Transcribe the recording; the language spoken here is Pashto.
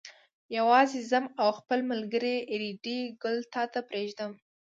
یوازې ځم او خپل ملګری ریډي ګل تا ته پرېږدم.